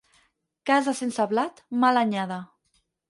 Casa sense blat, mala anyada.